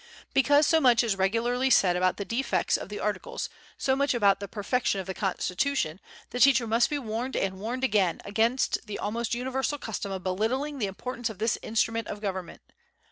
Because so much is regularly said about the defects of the Articles, so much about the perfection of the Constitution, the teacher must be warned and warned again against the almost universal custom of belittling the importance of this instrument of government.